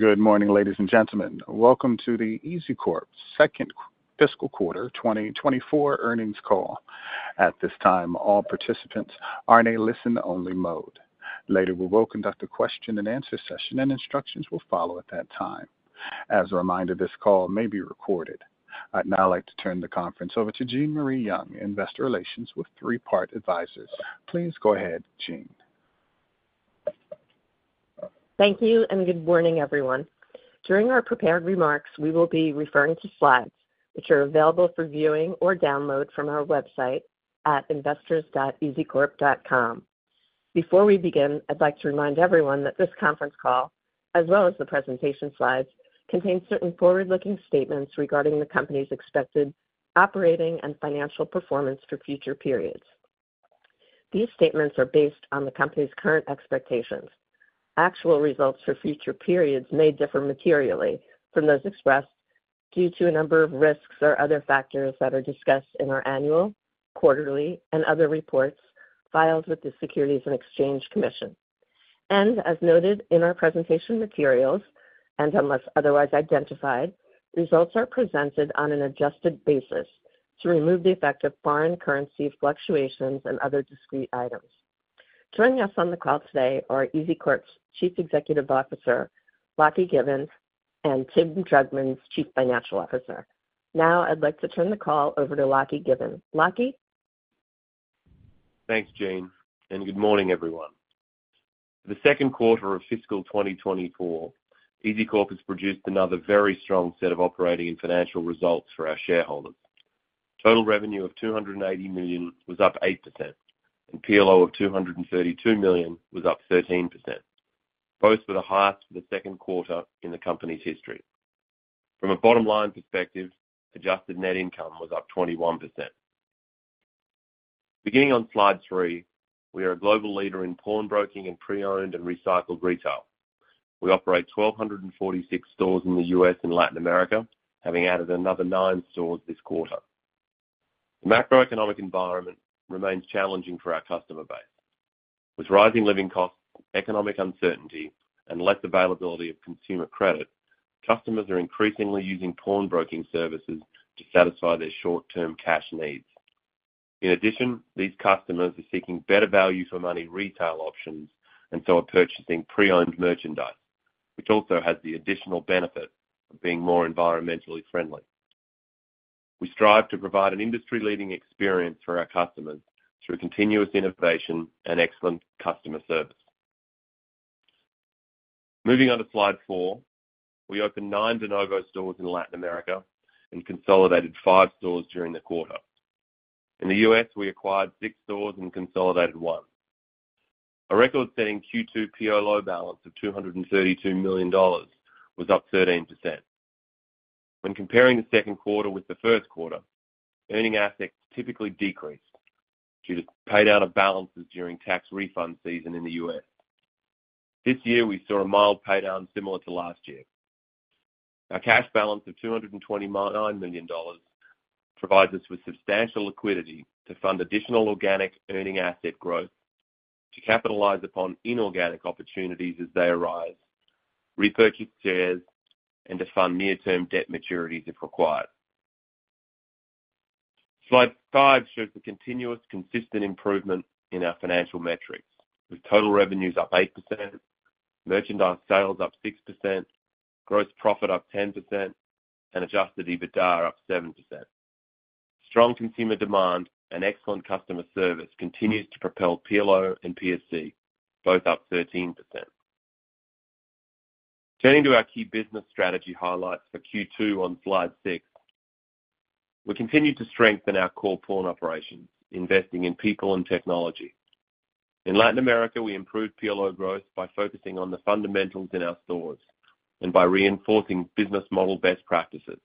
Good morning, ladies and gentlemen. Welcome to the EZCORP second fiscal quarter 2024 earnings call. At this time, all participants are in a listen-only mode. Later, we will conduct a question and answer session, and instructions will follow at that time. As a reminder, this call may be recorded. I'd now like to turn the conference over to Jean Marie Young, Investor Relations with Three Part Advisors. Please go ahead, Jean. Thank you, and good morning, everyone. During our prepared remarks, we will be referring to slides which are available for viewing or download from our website at investors.ezcorp.com. Before we begin, I'd like to remind everyone that this conference call, as well as the presentation slides, contains certain forward-looking statements regarding the company's expected operating and financial performance for future periods. These statements are based on the company's current expectations. Actual results for future periods may differ materially from those expressed due to a number of risks or other factors that are discussed in our annual, quarterly, and other reports filed with the Securities and Exchange Commission. As noted in our presentation materials, and unless otherwise identified, results are presented on an adjusted basis to remove the effect of foreign currency fluctuations and other discrete items. Joining us on the call today are EZCORP's Chief Executive Officer, Lachlan Given, and Tim Jugmans, Chief Financial Officer. Now, I'd like to turn the call over to Lachlan Given. Lachie? Thanks, Jean, and good morning, everyone. The second quarter of fiscal 2024, EZCORP has produced another very strong set of operating and financial results for our shareholders. Total revenue of $280 million was up 8%, and PLO of $232 million was up 13%. Both were the highest for the second quarter in the company's history. From a bottom line perspective, adjusted net income was up 21%. Beginning on slide three, we are a global leader in pawnbroking and pre-owned and recycled retail. We operate 1,246 stores in the U.S. and Latin America, having added another nine stores this quarter. The macroeconomic environment remains challenging for our customer base. With rising living costs, economic uncertainty, and less availability of consumer credit, customers are increasingly using pawnbroking services to satisfy their short-term cash needs. In addition, these customers are seeking better value for money retail options and so are purchasing pre-owned merchandise, which also has the additional benefit of being more environmentally friendly. We strive to provide an industry-leading experience for our customers through continuous innovation and excellent customer service. Moving on to slide four, we opened nine de novo stores in Latin America and consolidated five stores during the quarter. In the U.S., we acquired six stores and consolidated one. A record-setting Q2 PLO balance of $232 million was up 13%. When comparing the second quarter with the first quarter, earning assets typically decrease due to paydown of balances during tax refund season in the U.S. This year, we saw a mild paydown similar to last year. Our cash balance of $229 million provides us with substantial liquidity to fund additional organic earning asset growth, to capitalize upon inorganic opportunities as they arise, repurchase shares, and to fund near-term debt maturities, if required. Slide five shows the continuous, consistent improvement in our financial metrics, with total revenues up 8%, merchandise sales up 6%, gross profit up 10%, and Adjusted EBITDA up 7%. Strong consumer demand and excellent customer service continues to propel PLO and PSC, both up 13%. Turning to our key business strategy highlights for Q2 on slide six, we continued to strengthen our core pawn operations, investing in people and technology. In Latin America, we improved PLO growth by focusing on the fundamentals in our stores and by reinforcing business model best practices.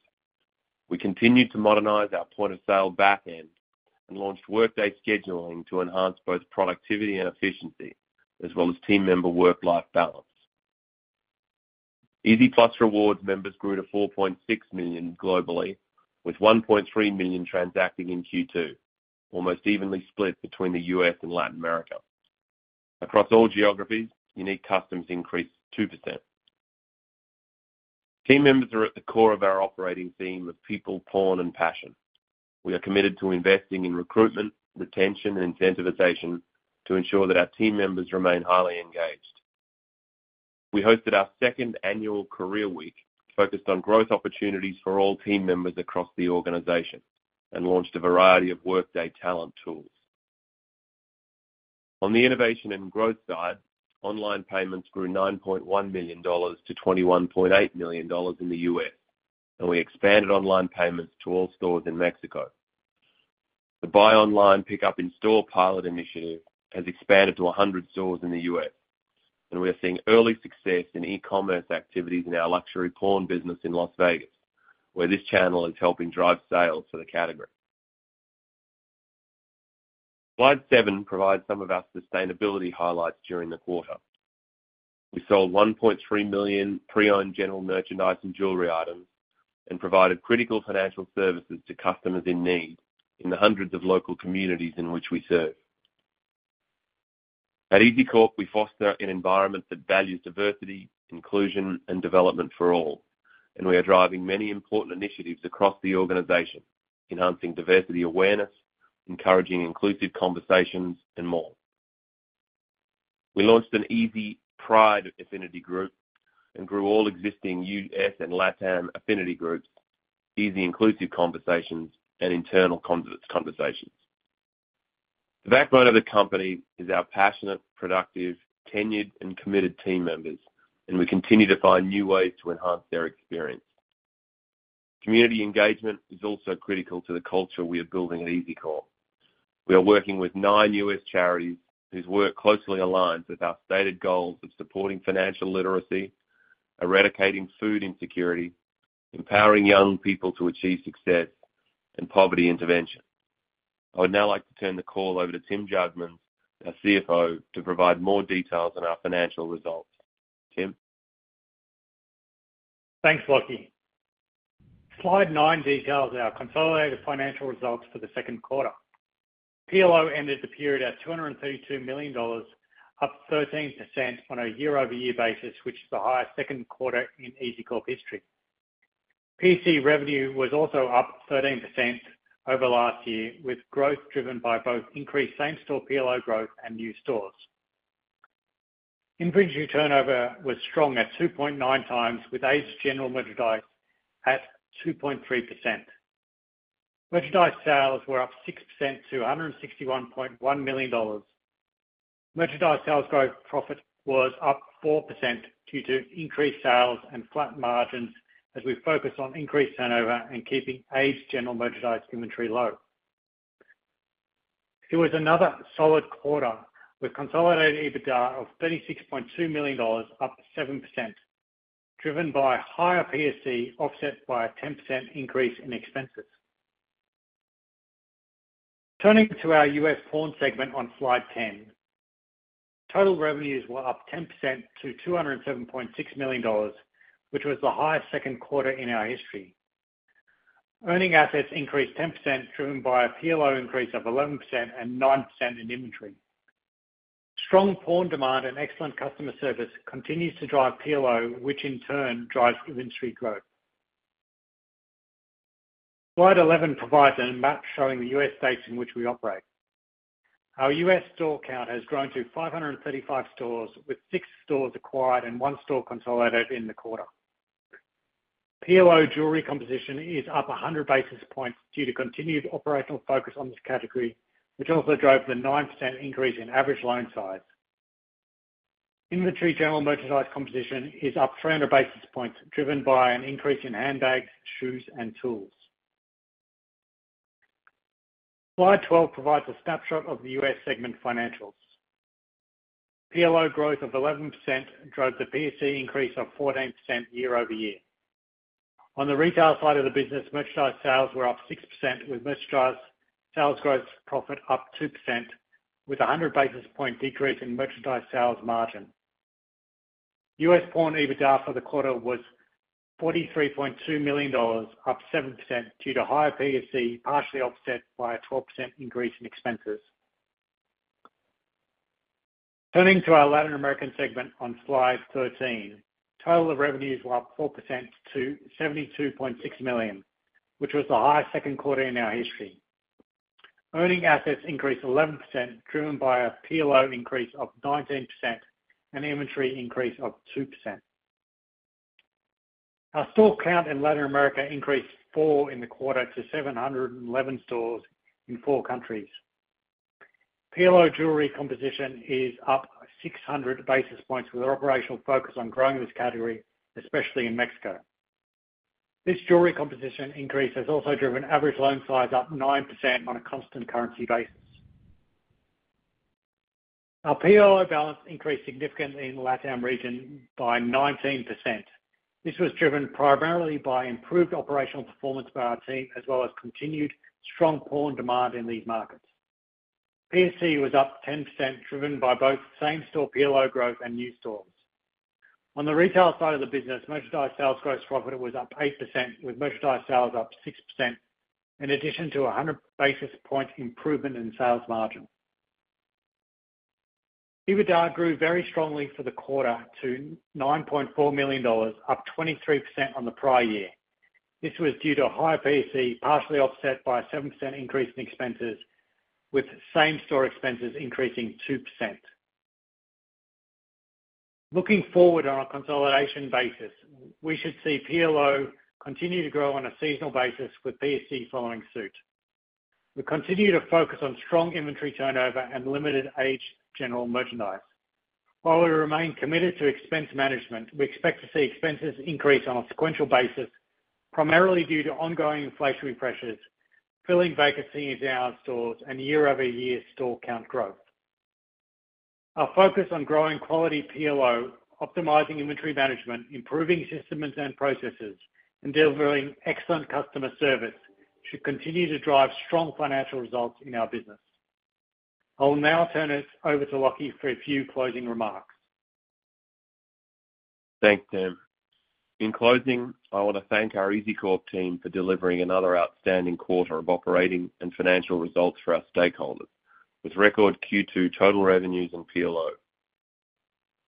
We continued to modernize our point-of-sale back end and launched Workday scheduling to enhance both productivity and efficiency, as well as team member work-life balance. EZ+ Rewards members grew to 4.6 million globally, with 1.3 million transacting in Q2, almost evenly split between the U.S. and Latin America. Across all geographies, unique customers increased 2%. Team members are at the core of our operating theme of people, pawn, and passion. We are committed to investing in recruitment, retention, and incentivization to ensure that our team members remain highly engaged. We hosted our second annual career week, focused on growth opportunities for all team members across the organization, and launched a variety of Workday talent tools. On the innovation and growth side, online payments grew $9.1 million-$21.8 million in the U.S., and we expanded online payments to all stores in Mexico. The Buy Online, Pick Up In-Store pilot initiative has expanded to 100 stores in the U.S., and we are seeing early success in e-commerce activities in our luxury pawn business in Las Vegas, where this channel is helping drive sales to the category. Slide seven provides some of our sustainability highlights during the quarter. We sold 1.3 million pre-owned general merchandise and jewelry items, and provided critical financial services to customers in need in the hundreds of local communities in which we serve. At EZCORP, we foster an environment that values diversity, inclusion, and development for all, and we are driving many important initiatives across the organization, enhancing diversity awareness, encouraging inclusive conversations, and more. We launched an EZ Pride affinity group and grew all existing U.S. and LatAm affinity groups, EZ Inclusive Conversations, and internal conversations. The backbone of the company is our passionate, productive, tenured, and committed team members, and we continue to find new ways to enhance their experience. Community engagement is also critical to the culture we are building at EZCORP. We are working with nine U.S. charities whose work closely aligns with our stated goals of supporting financial literacy, eradicating food insecurity, empowering young people to achieve success, and poverty intervention. I would now like to turn the call over to Tim Jugmans, our CFO, to provide more details on our financial results. Tim? Thanks, Lachie. Slide nine details our consolidated financial results for the second quarter. PLO ended the period at $232 million, up 13% on a year-over-year basis, which is the highest second quarter in EZCORP history. PSC revenue was also up 13% over last year, with growth driven by both increased same-store PLO growth and new stores. Inventory turnover was strong at 2.9 times, with aged general merchandise at 2.3%. Merchandise sales were up 6% to $161.1 million. Merchandise sales gross profit was up 4% due to increased sales and flat margins as we focus on increased turnover and keeping aged general merchandise inventory low. It was another solid quarter, with consolidated EBITDA of $36.2 million, up 7%, driven by higher PSC, offset by a 10% increase in expenses. Turning to our U.S. pawn segment on Slide 10, total revenues were up 10% to $207.6 million, which was the highest second quarter in our history. Earning assets increased 10%, driven by a PLO increase of 11% and 9% in inventory. Strong pawn demand and excellent customer service continues to drive PLO, which in turn drives inventory growth. Slide 11 provides a map showing the U.S. states in which we operate. Our U.S. store count has grown to 535 stores, with six stores acquired and one store consolidated in the quarter. PLO jewelry composition is up 100 basis points due to continued operational focus on this category, which also drove the 9% increase in average loan size. Inventory general merchandise composition is up 300 basis points, driven by an increase in handbags, shoes, and tools. Slide 12 provides a snapshot of the US segment financials. PLO growth of 11% drove the PSC increase of 14% year-over-year. On the retail side of the business, merchandise sales were up 6%, with merchandise sales gross profit up 2%, with a 100 basis point decrease in merchandise sales margin. US Pawn EBITDA for the quarter was $43.2 million, up 7% due to higher PSC, partially offset by a 12% increase in expenses. Turning to our Latin America segment on Slide 13, total revenues were up 4% to $72.6 million, which was the highest second quarter in our history. Earning assets increased 11%, driven by a PLO increase of 19% and inventory increase of 2%. Our store count in Latin America increased 4 in the quarter to 711 stores in four countries. PLO jewelry composition is up 600 basis points, with our operational focus on growing this category, especially in Mexico. This jewelry composition increase has also driven average loan size up 9% on a constant currency basis. Our PLO balance increased significantly in the LatAm region by 19%. This was driven primarily by improved operational performance by our team, as well as continued strong pawn demand in these markets. PSC was up 10%, driven by both same store PLO growth and new stores. On the retail side of the business, merchandise sales gross profit was up 8%, with merchandise sales up 6%, in addition to 100 basis points improvement in sales margin. EBITDA grew very strongly for the quarter to $9.4 million, up 23% on the prior year. This was due to higher PSC, partially offset by a 7% increase in expenses, with same-store expenses increasing 2%. Looking forward on a consolidation basis, we should see PLO continue to grow on a seasonal basis, with PSC following suit. We continue to focus on strong inventory turnover and limited aged general merchandise. While we remain committed to expense management, we expect to see expenses increase on a sequential basis, primarily due to ongoing inflationary pressures, filling vacancies in our stores and year-over-year store count growth. Our focus on growing quality PLO, optimizing inventory management, improving systems and processes, and delivering excellent customer service, should continue to drive strong financial results in our business. I will now turn it over to Lachie for a few closing remarks.... Thanks, Tim. In closing, I want to thank our EZCORP team for delivering another outstanding quarter of operating and financial results for our stakeholders, with record Q2 total revenues and PLO.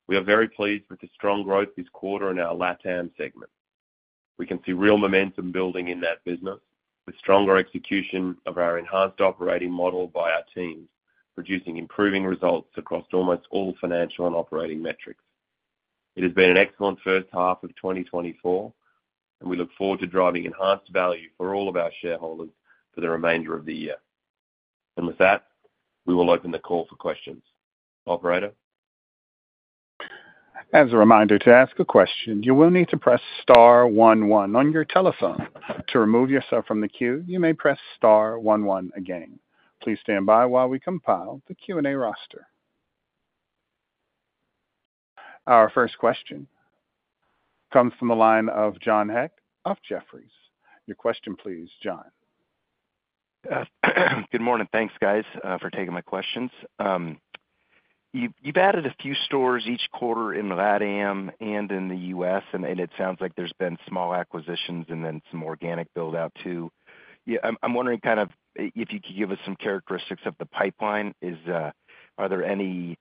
We are very pleased with the strong growth this quarter in our LATAM segment. We can see real momentum building in that business, with stronger execution of our enhanced operating model by our teams, producing improving results across almost all financial and operating metrics. It has been an excellent first half of 2024, and we look forward to driving enhanced value for all of our shareholders for the remainder of the year. And with that, we will open the call for questions. Operator? As a reminder, to ask a question, you will need to press star one one on your telephone. To remove yourself from the queue, you may press star one one again. Please stand by while we compile the Q&A roster. Our first question comes from the line of John Hecht of Jefferies. Your question, please, John. Good morning. Thanks, guys, for taking my questions. You've added a few stores each quarter in LATAM and in the U.S., and it sounds like there's been small acquisitions and then some organic build-out, too. Yeah, I'm wondering kind of if you could give us some characteristics of the pipeline. Are there any,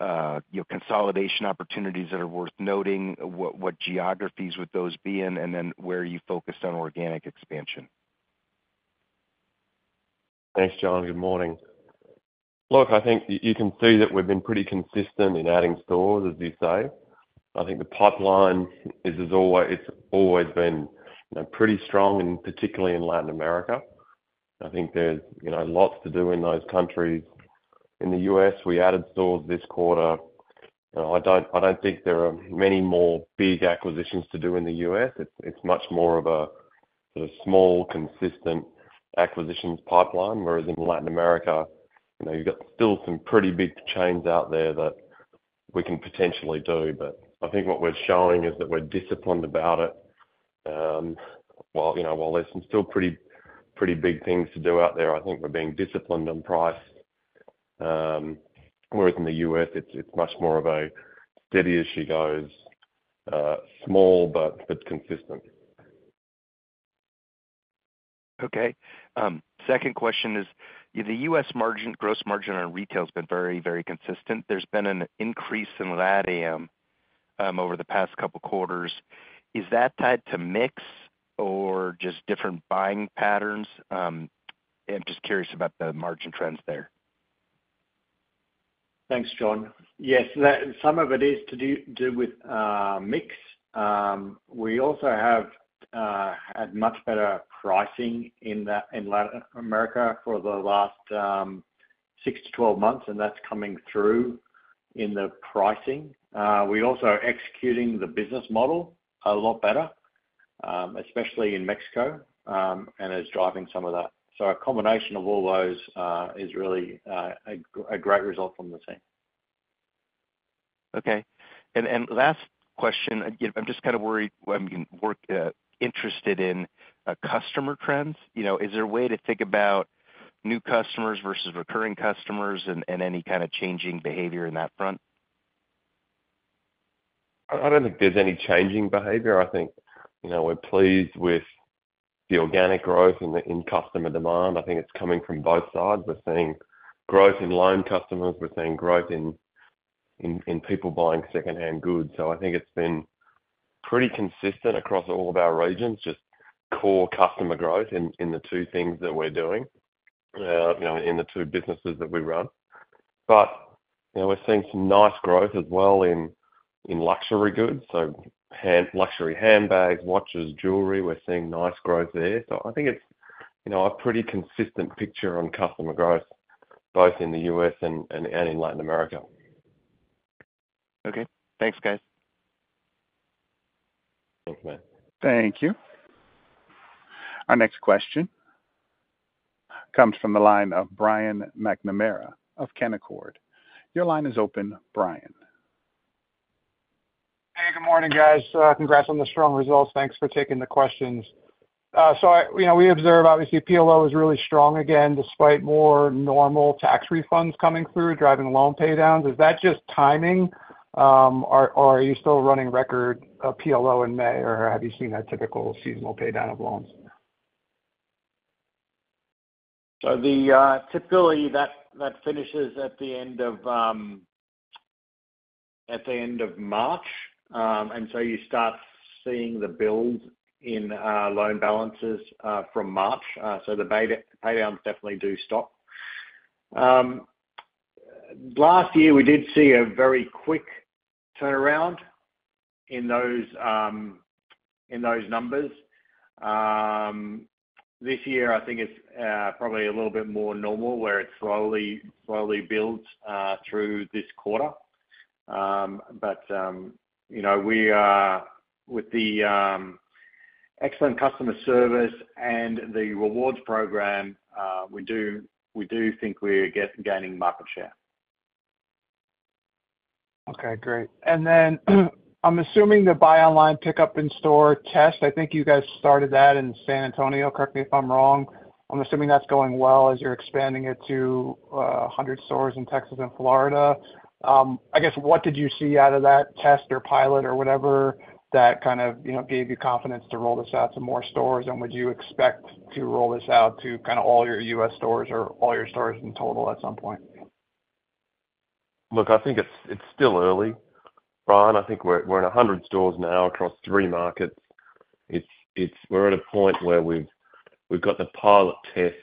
you know, consolidation opportunities that are worth noting? What geographies would those be in, and then where are you focused on organic expansion? Thanks, John. Good morning. Look, I think you can see that we've been pretty consistent in adding stores, as you say. I think the pipeline is as always—it's always been, you know, pretty strong, and particularly in Latin America. I think there's, you know, lots to do in those countries. In the US, we added stores this quarter. I don't, I don't think there are many more big acquisitions to do in the U.S. It's, it's much more of a, sort of, small, consistent acquisitions pipeline, whereas in Latin America, you know, you've got still some pretty big chains out there that we can potentially do. But I think what we're showing is that we're disciplined about it. While, you know, while there's some still pretty, pretty big things to do out there, I think we're being disciplined on price. Whereas in the U.S., it's much more of a steady as she goes, small, but consistent. Okay. Second question is, the U.S. margin, gross margin on retail has been very, very consistent. There's been an increase in LATAM over the past couple quarters. Is that tied to mix or just different buying patterns? I'm just curious about the margin trends there. Thanks, John. Yes, LatAm, some of it is to do with mix. We also have had much better pricing in Latin America for the last 6-12 months, and that's coming through in the pricing. We're also executing the business model a lot better, especially in Mexico, and it's driving some of that. So a combination of all those is really a great result from the team. Okay. And last question, again, I'm just kind of worried, I mean, interested in customer trends. You know, is there a way to think about new customers versus recurring customers and any kind of changing behavior in that front? I don't think there's any changing behavior. I think, you know, we're pleased with the organic growth in customer demand. I think it's coming from both sides. We're seeing growth in loan customers. We're seeing growth in people buying secondhand goods. So I think it's been pretty consistent across all of our regions, just core customer growth in the two things that we're doing, you know, in the two businesses that we run. But, you know, we're seeing some nice growth as well in luxury goods, so luxury handbags, watches, jewelry. We're seeing nice growth there. So I think it's, you know, a pretty consistent picture on customer growth, both in the U.S. and in Latin America. Okay. Thanks, guys. Thanks, mate. Thank you. Our next question comes from the line of Brian McNamara of Canaccord. Your line is open, Brian. Hey, good morning, guys. Congrats on the strong results. Thanks for taking the questions. So I, you know, we observe, obviously, PLO is really strong again, despite more normal tax refunds coming through, driving loan paydowns. Is that just timing? Or, or are you still running record PLO in May, or have you seen that typical seasonal paydown of loans? So typically, that finishes at the end of March. And so you start seeing the build in loan balances from March. So the paydowns definitely do stop. Last year, we did see a very quick turnaround in those numbers. This year, I think it's probably a little bit more normal, where it slowly builds through this quarter. But you know, we are with the excellent customer service and the rewards program, we do think we're gaining market share. Okay, great. Then I'm assuming the Buy Online, Pick Up In-Store test. I think you guys started that in San Antonio. Correct me if I'm wrong. I'm assuming that's going well as you're expanding it to 100 stores in Texas and Florida. I guess, what did you see out of that test or pilot or whatever, that kind of, you know, gave you confidence to roll this out to more stores? And would you expect to roll this out to kind of all your US stores or all your stores in total at some point? Look, I think it's still early, Brian. I think we're in 100 stores now across three markets. It's-- We're at a point where we've got the pilot test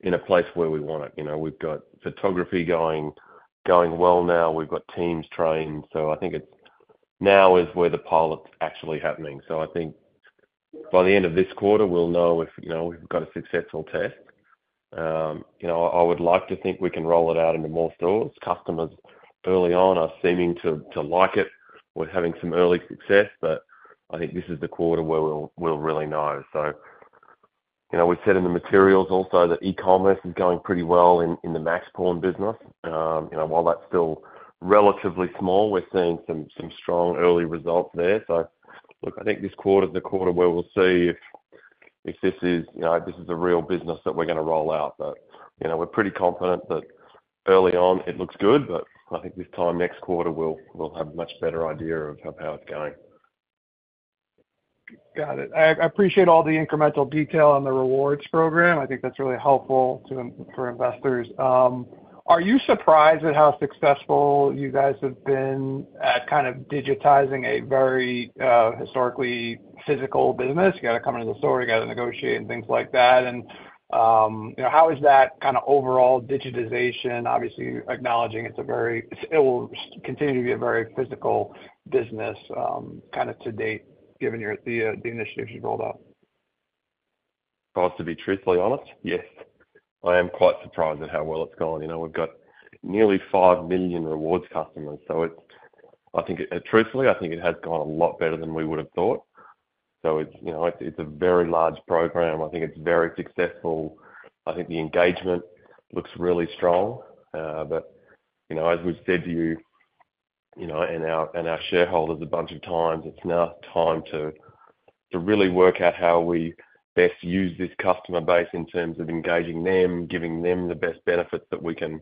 in a place where we want it, you know. We've got photography going well now. We've got teams trained. So I think it's now is where the pilot's actually happening. So I think by the end of this quarter, we'll know if, you know, we've got a successful test. You know, I would like to think we can roll it out into more stores. Customers early on are seeming to like it. We're having some early success, but I think this is the quarter where we'll really know. So, you know, we said in the materials also that e-commerce is going pretty well in the Max Pawn business. You know, while that's still relatively small, we're seeing some strong early results there. So look, I think this quarter is the quarter where we'll see if this is, you know, this is the real business that we're gonna roll out. But, you know, we're pretty confident that early on, it looks good, but I think this time next quarter, we'll have a much better idea of how it's going. Got it. I appreciate all the incremental detail on the rewards program. I think that's really helpful to, for investors. Are you surprised at how successful you guys have been at kind of digitizing a very, historically physical business? You got to come into the store, you got to negotiate and things like that and, you know, how is that kind of overall digitization, obviously, acknowledging it's a very-- it will continue to be a very physical business, kind of to date, given your the initiatives you've rolled out? For us to be truthfully honest, yes. I am quite surprised at how well it's going. You know, we've got nearly 5 million rewards customers, so it's—I think, truthfully, I think it has gone a lot better than we would have thought. So it's, you know, it's a very large program. I think it's very successful. I think the engagement looks really strong, but, you know, as we've said to you, you know, and our, and our shareholders a bunch of times, it's now time to, to really work out how we best use this customer base in terms of engaging them, giving them the best benefits that we can,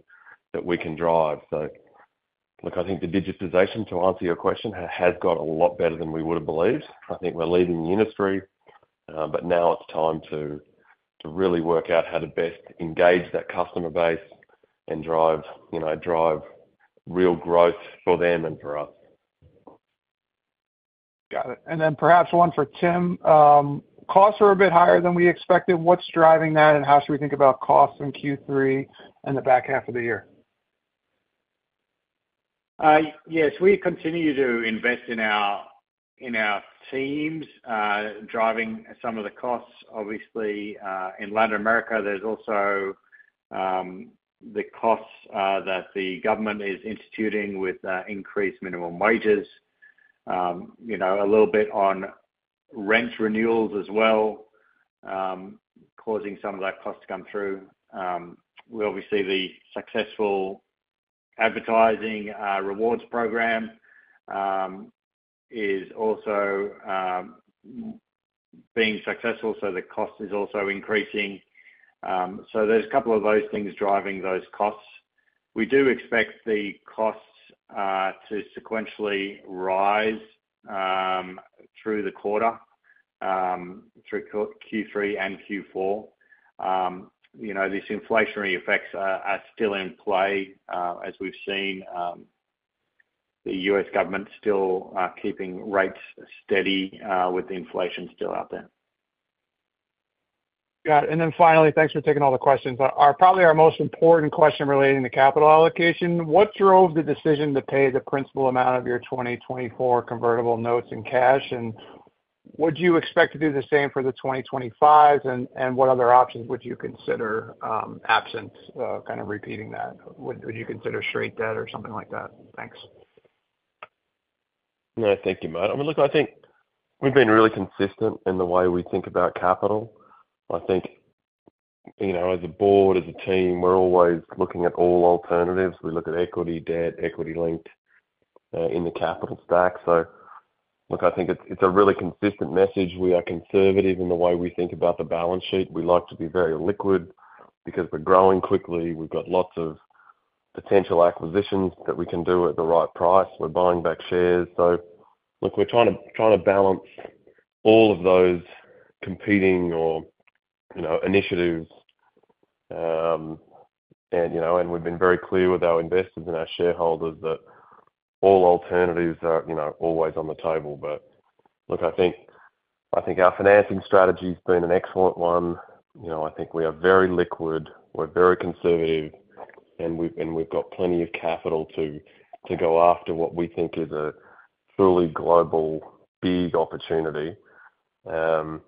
that we can drive. So look, I think the digitization, to answer your question, has got a lot better than we would have believed. I think we're leading the industry, but now it's time to really work out how to best engage that customer base and drive, you know, drive real growth for them and for us. Got it. Then perhaps one for Tim. Costs are a bit higher than we expected. What's driving that, and how should we think about costs in Q3 and the back half of the year? Yes, we continue to invest in our teams, driving some of the costs. Obviously, in Latin America, there's also the costs that the government is instituting with increased minimum wages, you know, a little bit on rent renewals as well, causing some of that cost to come through. Well, obviously, the successful advertising rewards program is also being successful, so the cost is also increasing. So there's a couple of those things driving those costs. We do expect the costs to sequentially rise through the quarter, through Q2-Q3 and Q4. You know, these inflationary effects are still in play, as we've seen, the U.S. government still keeping rates steady, with the inflation still out there. Got it. And then finally, thanks for taking all the questions. But our—probably our most important question relating to capital allocation, what drove the decision to pay the principal amount of your 2024 convertible notes in cash, and would you expect to do the same for the 2025s? And what other options would you consider, absent, kind of repeating that? Would you consider straight debt or something like that? Thanks. Yeah. Thank you, Matt. I mean, look, I think we've been really consistent in the way we think about capital. I think, you know, as a board, as a team, we're always looking at all alternatives. We look at equity, debt, equity link, in the capital stack. So look, I think it's, it's a really consistent message. We are conservative in the way we think about the balance sheet. We like to be very liquid because we're growing quickly. We've got lots of potential acquisitions that we can do at the right price. We're buying back shares. So look, we're trying to, trying to balance all of those competing or, you know, initiatives. And, you know, and we've been very clear with our investors and our shareholders that all alternatives are, you know, always on the table. But look, I think, I think our financing strategy's been an excellent one. You know, I think we are very liquid, we're very conservative, and we've, and we've got plenty of capital to, to go after what we think is a truly global, big opportunity. And,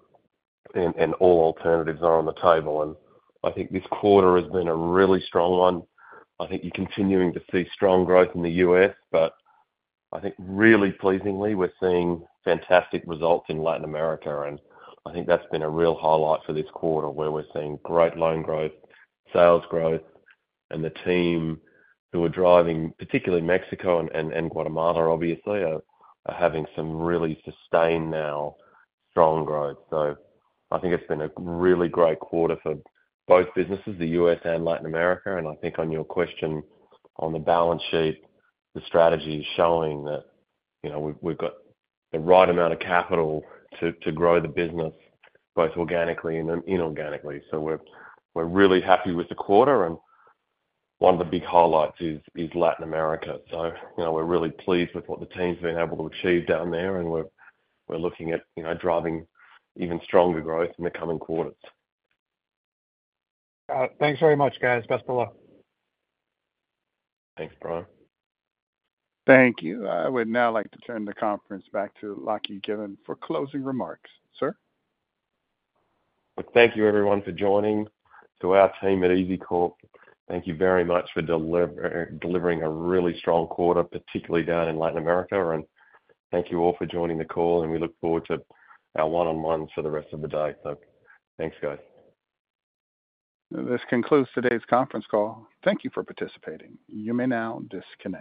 and all alternatives are on the table, and I think this quarter has been a really strong one. I think you're continuing to see strong growth in the U.S., but I think really pleasingly, we're seeing fantastic results in Latin America, and I think that's been a real highlight for this quarter, where we're seeing great loan growth, sales growth, and the team who are driving, particularly Mexico and, and Guatemala, obviously, are, are having some really sustained now, strong growth. So I think it's been a really great quarter for both businesses, the U.S. and Latin America. I think on your question on the balance sheet, the strategy is showing that, you know, we've got the right amount of capital to grow the business, both organically and inorganically. So we're really happy with the quarter, and one of the big highlights is Latin America. So, you know, we're really pleased with what the team's been able to achieve down there, and we're looking at, you know, driving even stronger growth in the coming quarters. Thanks very much, guys. Best of luck. Thanks, Brian. Thank you. I would now like to turn the conference back to Lachie Given for closing remarks. Sir? Thank you, everyone, for joining. To our team at EZCORP, thank you very much for delivering a really strong quarter, particularly down in Latin America. And thank you all for joining the call, and we look forward to our one-on-one for the rest of the day. Thanks, guys. This concludes today's conference call. Thank you for participating. You may now disconnect.